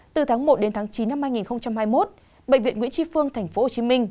từ tháng một đến tháng chín năm hai nghìn hai mươi một bệnh viện nguyễn tri phương tp hcm